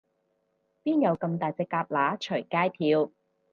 邊有噉大隻蛤乸隨街跳